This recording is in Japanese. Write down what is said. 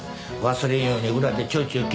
忘れんように裏でちょいちょい稽古して。